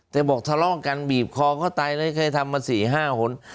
แต่บอกทะเลาะกันบีบคอก็ตายและเคยทำไว้สี่ห้าคน